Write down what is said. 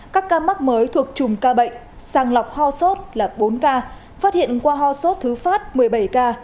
các ca mắc mới thuộc chùm ca bệnh sàng lọc ho sốt là bốn ca phát hiện qua ho sốt thứ phát một mươi bảy ca